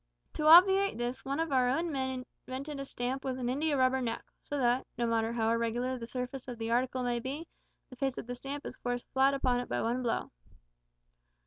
To obviate this, one of our own men invented a stamp with an india rubber neck, so that, no matter how irregular the surface of the article may be, the face of the stamp is forced flat upon it by one blow."